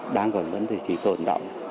đang còn vấn đề gì tồn đọng